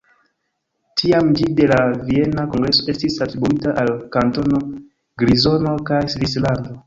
Tiam ĝi de la Viena Kongreso estis atribuita al Kantono Grizono kaj Svislando.